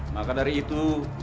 maka dari itu